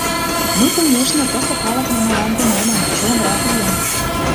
Ну, конешне, тысе калык нунылан тунемын, чулымрак лийын.